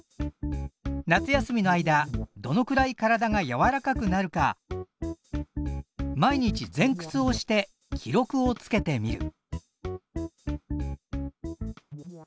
夏休みの間どのくらい体がやわらかくなるか毎日ぜんくつをして記録をつけてみる。